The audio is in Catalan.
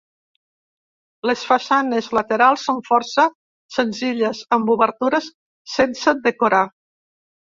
Les façanes laterals són força senzilles, amb obertures sense decorar.